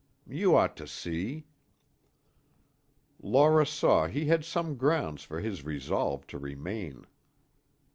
You ought to see " Laura saw he had some grounds for his resolve to remain.